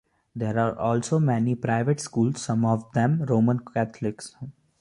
There are also many private schools, some of them Roman Catholic.